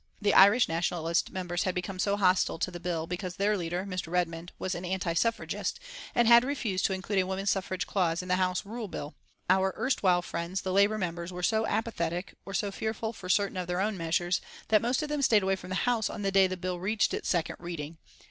The Irish Nationalist members had become hostile to the bill because their leader, Mr. Redmond, was an anti suffragist, and had refused to include a woman suffrage clause in the Home Rule Bill. Our erstwhile friends, the Labour members, were so apathetic, or so fearful for certain of their own measures, that most of them stayed away from the House on the day the bill reached its second reading.